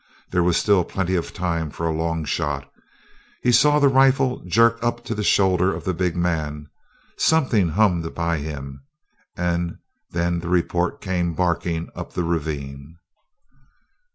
There was still plenty of time for a long shot. He saw the rifle jerk up to the shoulder of the big man; something hummed by him, and then the report came barking up the ravine.